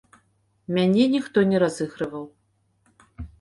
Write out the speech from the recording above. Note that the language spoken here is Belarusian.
Мяне ніхто не разыгрываў.